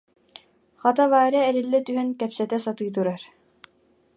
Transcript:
Хата, Варя эриллэ түһэн кэпсэтэ сатыы турар